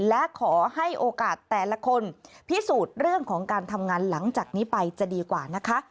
และขอให้โอกาสแต่ละคนพิสูจน์เรื่องของการทำงานหลังจากนี้ไปจะดีกว่านะคะ